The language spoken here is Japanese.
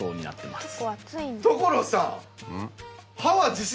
所さん。